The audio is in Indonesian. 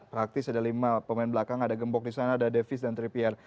praktis ada lima pemain belakang ada gembok di sana ada davis dan tripiar